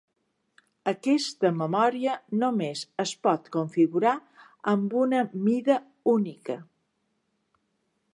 Aquesta memòria només es pot configurar amb una mida única.